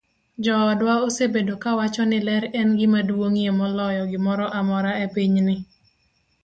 Joodwa osebedo kawacho ni ler e gima duong'ie moloyo gimoro amora e pinyni.